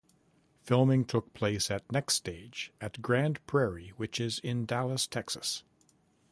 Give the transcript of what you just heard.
Filming took place at NextStage at Grand Prairie which is in Dallas, Texas.